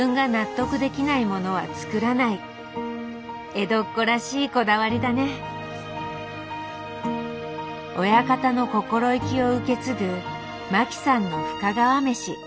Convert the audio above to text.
江戸っ子らしいこだわりだね親方の心意気を受け継ぐ麻紀さんの「深川めし」。